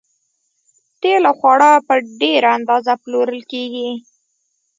تیل او خواړه په ډیره اندازه پلورل کیږي